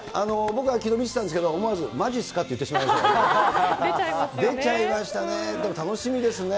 僕はきのう、見てたんですけど、思わず、まじっすかって言ってし出ちゃいますよね。